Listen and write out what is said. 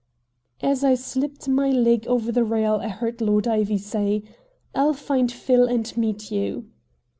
As I slipped my leg over the rail I heard Lord Ivy say: "I'll find Phil and meet you."